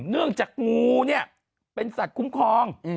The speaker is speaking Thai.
เนื่องจากงูเนี่ยเป็นสัตว์คุ้มครอง